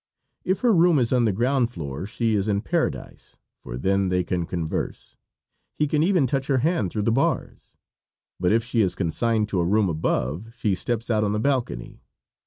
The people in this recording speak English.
If her room is on the ground floor she is in paradise, for then they can converse he can even touch her hand through the bars. But if she is consigned to a room above she steps out on the balcony.